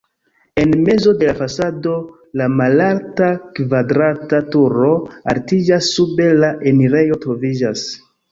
En mezo de la fasado la malalta, kvadrata turo altiĝas, sube la enirejo troviĝas.